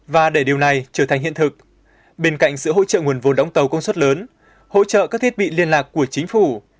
và để điều này trở thành hiện thực bên cạnh sự hỗ trợ nguồn vốn đóng tàu công suất lớn hỗ trợ các thiết bị liên lạc của chính phủ